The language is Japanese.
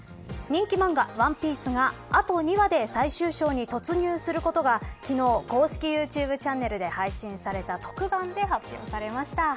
人気漫画、ＯＮＥＰＩＥＣＥがあと２話で最終章に突入することが昨日公式ＹｏｕＴｕｂｅチャンネルで配信された特番で発表されました。